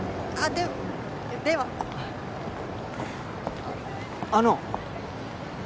でではあの！